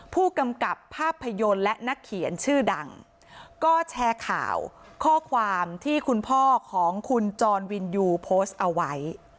ผู้กำกับภาพยนตร์และนักเขียนชื่อดังก็แชร์ข่าวข้อความที่คุณพ่อของคุณจรวินยูโพสต์เอาไว้